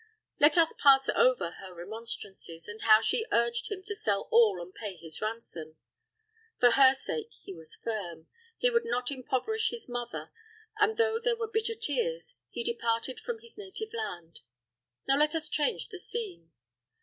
Let us pass over her remonstrances, and how she urged him to sell all and pay his ransom. For her sake, he was firm. He would not impoverish his mother; and though there were bitter tears, he departed from his native land. Now let us change the scene.